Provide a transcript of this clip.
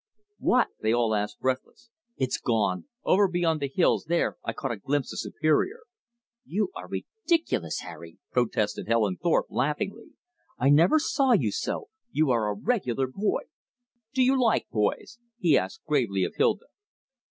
"What?" they all asked, breathless. "It's gone. Over beyond the hills there I caught a glimpse of Superior." "You are ridiculous, Harry," protested Helen Thorpe laughingly. "I never saw you so. You are a regular boy!" "Do you like boys?" he asked gravely of Hilda.